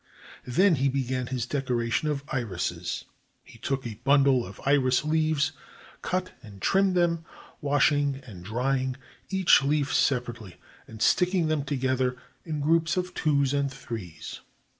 Then he began his decoration of irises. He took a bundle of iris leaves, cut and trimmed them, washing and drying each leaf separately, and sticking them to gether in groups of twos and threes.